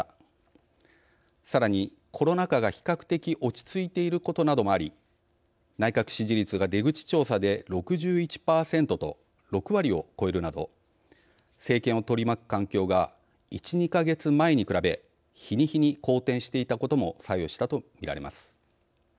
さらにコロナ禍が比較的落ち着いていることなどもあり内閣支持率が出口調査で６１％と６割を超えるなど政権を取り巻く環境が１２か月前に比べ日に日に好転していたことも作用したとみられます。